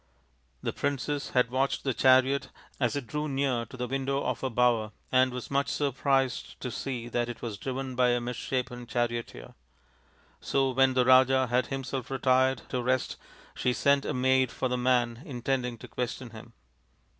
The princess had watched the chariot as it drew near to the window of her bower, and was much surprised to see that it was driven by a misshapen charioteer. So when the Raja had himself retired to rest she sent a maid for the man, intending to question him.